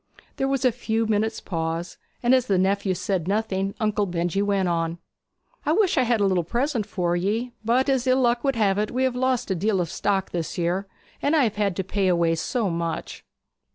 There was a few minutes' pause, and as the nephew said nothing Uncle Benjy went on: 'I wish I had a little present for ye. But as ill luck would have it we have lost a deal of stock this year, and I have had to pay away so much.'